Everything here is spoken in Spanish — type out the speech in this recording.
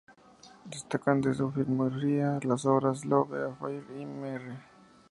Destacan de su filmografía las obras "Love Affair" y "Mr.